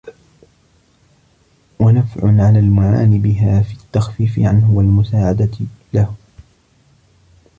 وَنَفْعٌ عَلَى الْمُعَانِ بِهَا فِي التَّخْفِيفِ عَنْهُ وَالْمُسَاعَدَةِ لَهُ